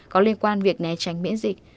có liên quan việc né tránh miễn dịch